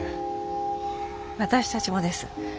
私たちもです。